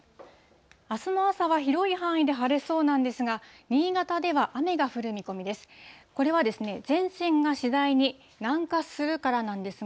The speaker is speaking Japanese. あすの朝は広い範囲で晴れそうなんですが、新潟では雨が降る見込みです。